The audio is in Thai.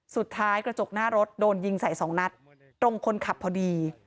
กระจกหน้ารถโดนยิงใส่สองนัดตรงคนขับพอดี